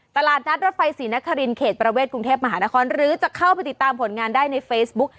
ตลาดนัดรถไฟศรีนครินเขตประเวทกรุงเทพมหานครหรือจะเข้าไปติดตามผลงานได้ในเฟซบุ๊ก